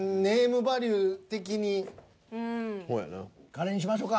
カレーにしましょうか。